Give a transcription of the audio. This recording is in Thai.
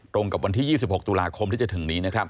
กับวันที่๒๖ตุลาคมที่จะถึงนี้นะครับ